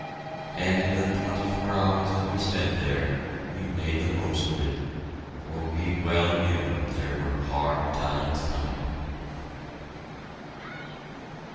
And in the twenty four hours that we spent there we made the most of it, for we well knew there were hard times coming!